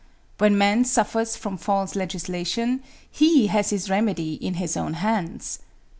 When man suffers from false legislation he has his remedy in his own hands.